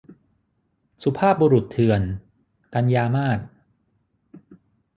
สุภาพบุรุษเถื่อน - กันยามาส